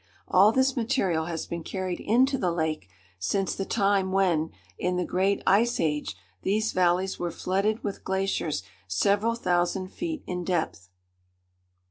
All this material has been carried into the lake since the time when, in the great Ice Age, these valleys were flooded with glaciers several thousand feet in depth.